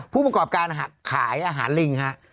ผู้ปรากฏการณ์ขายอาหารลิงค่ะ